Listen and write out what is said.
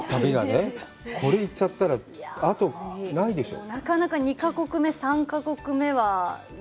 初海外で、旅がね、これ、行っちゃったら、あと、ないでしょう？